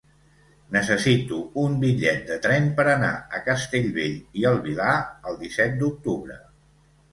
Necessito un bitllet de tren per anar a Castellbell i el Vilar el disset d'octubre.